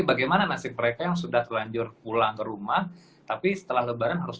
bagaimana nasib mereka yang sudah terlanjur pulang ke rumah tapi setelah lebaran harus